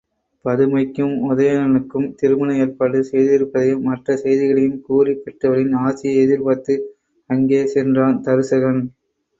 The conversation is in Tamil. பதுமைக்கும் உதயணனுக்கும் திருமண ஏற்பாடு செய்திருப்பதையும் மற்ற செய்திகளையும் கூறிப் பெற்றவளின் ஆசியை எதிர்பார்த்து அங்கே சென்றான் தருசகன்.